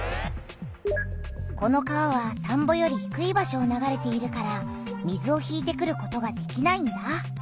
この川は田んぼよりひくい場所を流れているから水を引いてくることができないんだ！